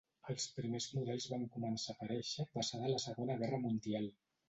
Els primers models van començar a aparèixer passada la Segona Guerra Mundial.